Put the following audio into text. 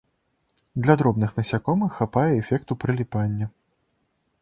Для дробных насякомых хапае эфекту прыліпання.